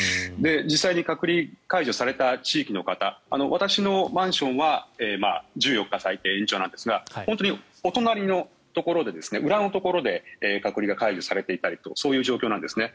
実際に隔離が解除された地域の方私のマンションは最低１４日、延長なんですが本当にお隣のところで裏のところで隔離が解除されていたりとそういう状況なんですね。